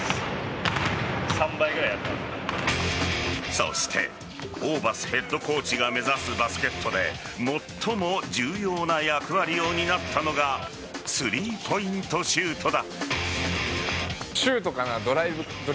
そしてホーバスヘッドコーチが目指すバスケットで最も重要な役割を担ったのがスリーポイントシュートだ。